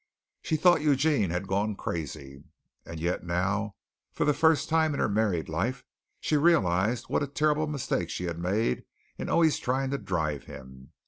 She thought Eugene had gone crazy, and yet now, for the first time in her married life, she realized what a terrible mistake she had made in always trying to drive him.